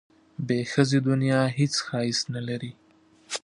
بې له ښځې دنیا هېڅ ښایست نه لري.